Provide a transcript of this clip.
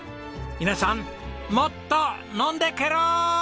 皆さんもっと飲んでケロス！